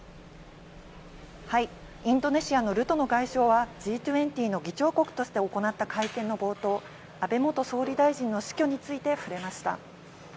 インドネシアのルトノ外相は、Ｇ２０の議長国として行った会見の冒頭、安倍元総理大臣の死去について触れました。